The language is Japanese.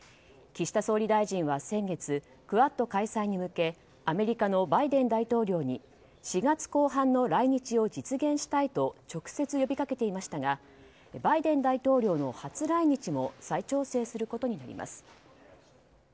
岸田総理大臣は先月クアッド開催に向けアメリカのバイデン大統領に４月後半の来日を実現したいと直接呼びかけていましたがバイデン大統領の初来日も再調整することになります。